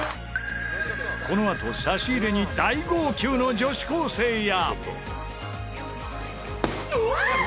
このあと差し入れに大号泣の女子高生や。